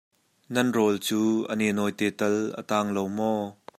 Nan rawl cu a nenawi te tal a tang lo maw?